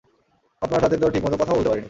আপনার সাথে তো ঠিক মতো কথাও বলতে পারিনি।